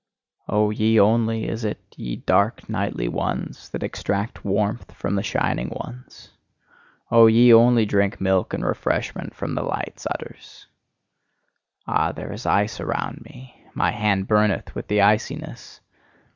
Oh, ye only is it, ye dark, nightly ones, that extract warmth from the shining ones! Oh, ye only drink milk and refreshment from the light's udders! Ah, there is ice around me; my hand burneth with the iciness!